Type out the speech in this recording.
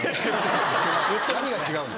何が違うの？